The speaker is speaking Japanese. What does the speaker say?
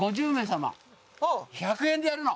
１００円でやるの。